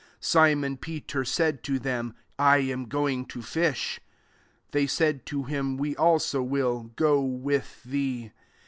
3 Simon Peter said to them, " I am going to fish." They said to him, "We also vnll go with thee."